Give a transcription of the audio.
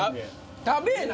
食べぇな！